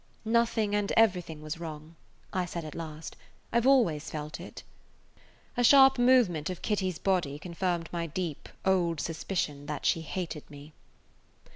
"Nothing and everything was wrong," I said at last. "I 've always felt it." A sharp movement of Kitty's body confirmed my deep, old suspicion that she hated me.